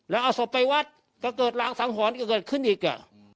แล้วเอาศพไปวัดก็เกิดรางสังหรณ์ก็เกิดขึ้นอีก